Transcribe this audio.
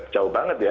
jauh banget ya